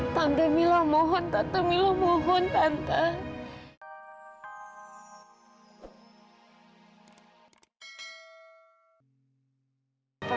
tante milah mohon tante milah mohon tante